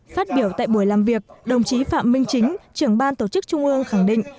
phát biểu tại buổi làm việc đồng chí phạm minh chính trưởng ban tổ chức trung ương khẳng định